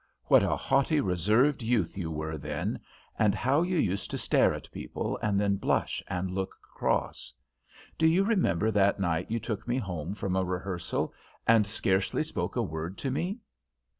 What a haughty, reserved youth you were then, and how you used to stare at people, and then blush and look cross. Do you remember that night you took me home from a rehearsal, and scarcely spoke a word to me?"